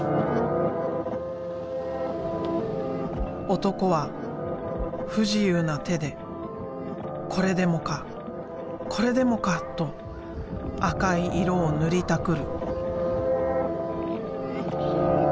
男は不自由な手でこれでもかこれでもか！と赤い色を塗りたくる。